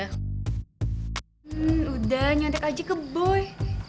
hmm udah nyontek aja ke boy